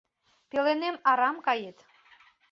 — Пеленем арам кает.